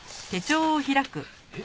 えっ！？